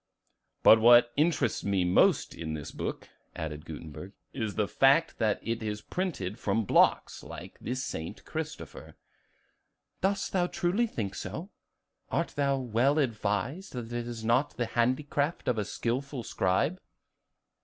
"But what interests me most in this book," added Gutenberg, "is the fact that it is printed from blocks, like the 'St. Christopher.'" "Dost thou truly think so? Art thou well advised that it is not the handicraft of a skillful scribe?"